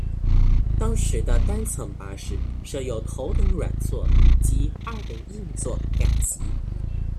当时的单层巴士设有头等软座及二等硬座两级。